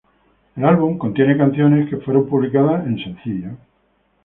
El álbum contiene canciones que fueron publicadas en sencillos.